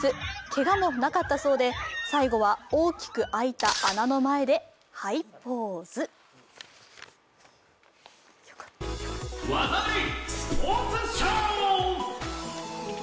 けがもなかったそうで、最後は大きく開いた穴の前で、はい、ポーズ。